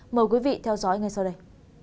mời quý vị theo dõi ngay sau đây